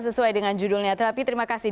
sesuai dengan judulnya tapi terima kasih